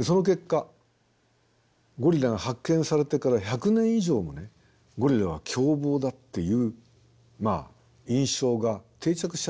その結果ゴリラが発見されてから１００年以上もねゴリラは凶暴だっていう印象が定着しちゃったんです。